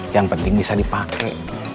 yang penting bisa dipake